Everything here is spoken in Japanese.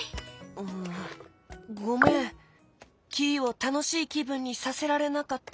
うんごめんキイをたのしいきぶんにさせられなかった。